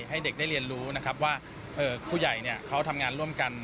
ให้เด็กได้เรียนรู้นะครับว่าผู้ใหญ่เขาทำงานร่วมกัน